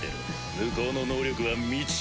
向こうの能力は未知。